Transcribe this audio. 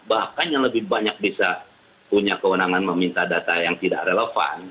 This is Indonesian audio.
bahkan yang lebih banyak bisa punya kewenangan meminta data yang tidak relevan